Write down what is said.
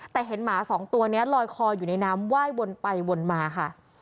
แต่เห็นหมาสองตัวนี้ลอยคออยู่ในน้ำไหว้วนไปวนมาค่ะ